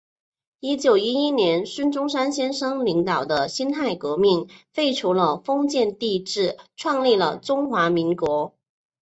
一九一一年孙中山先生领导的辛亥革命，废除了封建帝制，创立了中华民国。